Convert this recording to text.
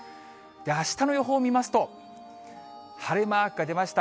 あしたの予報見ますと、晴れマークが出ました。